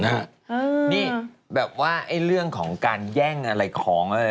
นี่แบบว่าเรื่องของการแย่งอะไรของอะไร